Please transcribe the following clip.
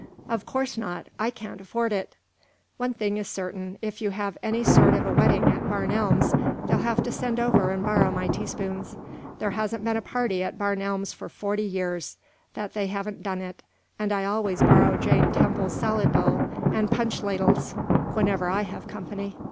"Of course not; I can't afford it." "One thing is certain. If you have any sort of a wedding at Barn Elms, they'll have to send over and borrow my teaspoons. There hasn't been a party at Barn Elms for forty years, that they haven't done it, and I always borrow Jane Temple's salad bowl and punch ladles whenever I have company."